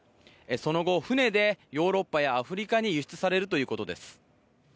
その後、船でヨーロッパやアフリカに輸出されるということです。